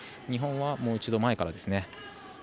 日本はもう一度前からですね。